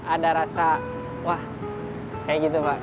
ada rasa wah kayak gitu pak